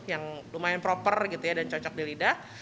yang lumayan proper gitu ya dan cocok di lidah